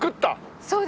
そうです。